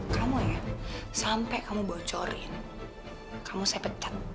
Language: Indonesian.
kamu ya sampai kamu bocorin kamu saya pecat